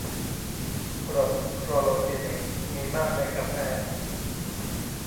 กรดคลอโรจีนิค มีมากในกาแฟ